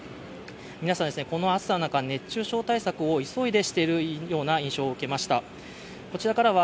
皆さん、この暑さの中、熱中症対策を急いでしている印象を受けました。